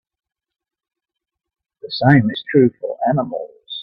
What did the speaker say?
The same is true for animals.